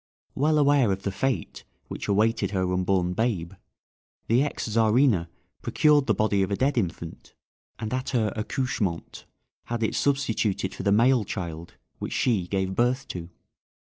Well aware of the fate which awaited her unborn babe, the ex Czarina procured the body of a dead infant, and at her accouchement had it substituted for the male child which she gave birth to.